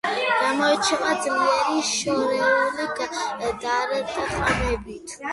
გამოირჩევა ძლიერი შორეული დარტყმებით.